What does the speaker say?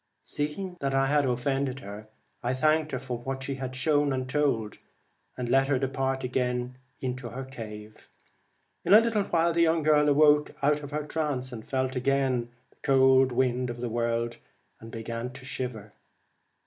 Seeing that I had offended her, I thanked her for what she had shown and told, and let her depart again into her cave. In a little while the young girl awoke out of her trance, and felt again the cold wind of the world, and began to shiver.